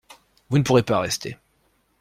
Vous ne pourrez pas rester.